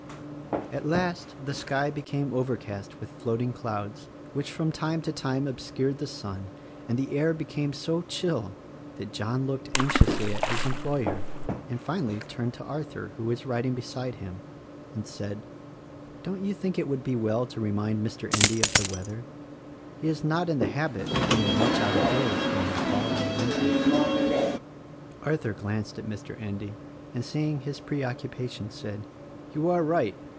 At last the sky became overcast with floating clouds which from time to time obscured the sun and the air became so chill that John looked anxiously at his employer and finally turned to Arthur, who was riding beside him, and said, "Don't you think it would be well to remind Mr. Endy of the weather? He is not in the habit of being much out of doors during the fall and winter." Arthur glanced at Mr. Endy and seeing his preoccupa tion said, "You are right.